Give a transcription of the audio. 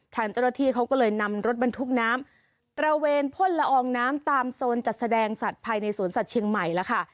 ทางเจ้าหน้าที่เขาก็เลยนำรถบรรทุกน้ำตระเวนพ่นละอองน้ำตามโซนจัดแสดงสัตว์ภายในสวนสัตว์เชียงใหม่แล้วค่ะ